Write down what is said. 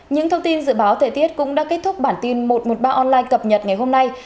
những thông tin dự báo thời tiết cũng đã kết thúc bản tin một trăm một mươi ba online cập nhật ngày hôm nay